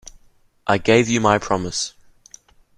I gave you my promise.